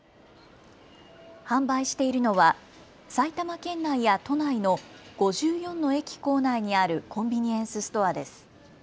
販売しているのは埼玉県内や都内の５４の駅構内にあるコンビニエンスストアです。